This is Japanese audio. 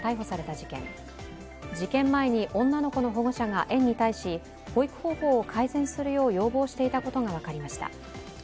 事件前に女の子の保護者が園に対し保育方法を改善するよう要望していたことが分かりました。